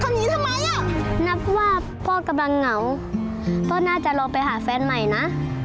น้ำว่าพ่อกำลังเหงาพ่อน่าจะลงไปหาแฟนใหม่นะ